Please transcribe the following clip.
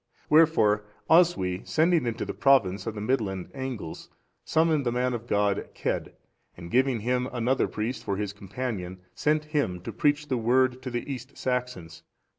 Wherefore Oswy, sending into the province of the Midland Angles, summoned the man of God, Cedd,(416) and, giving him another priest for his companion, sent them to preach the Word to the East Saxons.